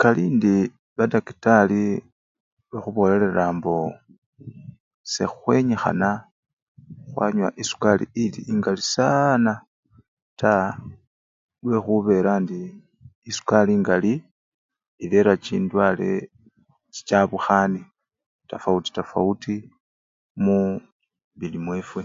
Kalindi badakitari bakhubolelela mbo sekhwenyikhana khwanya esukali eli engali sana taa lwekhubela indi esukali engali erera chindwale chichawukhane tafawuti tafawuti mumibili mwefwe.